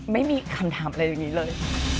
ไม่มีคำถามอะไรอย่างนี้เลย